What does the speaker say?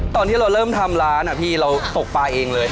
ตอนที่เราเริ่มทำร้านพี่เราตกปลาเองเลย